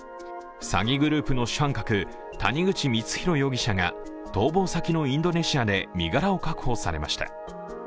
詐欺グループの主犯格谷口光弘容疑者が逃亡先のインドネシアで身柄を確保されました。